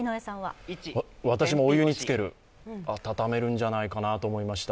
私もお湯につける、温めるんじゃないかなと思いました。